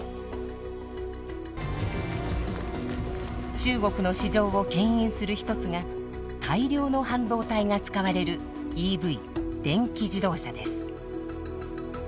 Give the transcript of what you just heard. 中国の市場をけん引する一つが大量の半導体が使われるＥＶ電気自動車です。